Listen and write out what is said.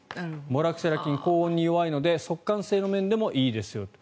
モラクセラ菌は高温に弱いので速乾性の面でもいいですよ。